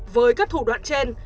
với các thủ đoạn trên